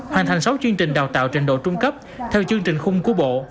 hoàn thành sáu chương trình đào tạo trình độ trung cấp theo chương trình khung của bộ